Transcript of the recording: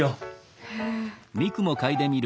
へえ。